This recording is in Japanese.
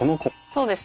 そうです。